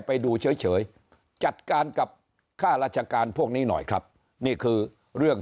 ไปดูเฉยจัดการกับค่าราชการพวกนี้หน่อยครับนี่คือเรื่อง